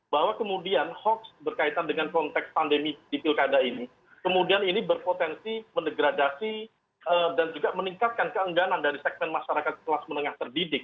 bahwa kemudian hoax berkaitan dengan konteks pandemi di pilkada ini kemudian ini berpotensi mendegradasi dan juga meningkatkan keengganan dari segmen masyarakat kelas menengah terdidik